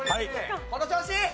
その調子！